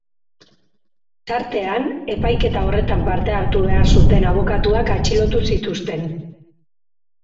Tartean, epaiketa horretan parte hartu behar zuten abokatuak atxilotu zituzten.